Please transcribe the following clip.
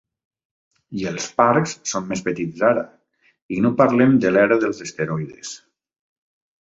I els parcs són més petits ara, i no parlem de l'era dels esteroides.